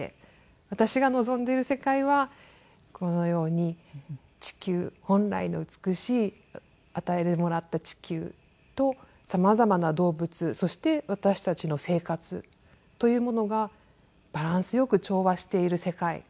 私が望んでいる世界はこのように地球本来の美しい与えてもらった地球と様々な動物そして私たちの生活というものがバランスよく調和している世界。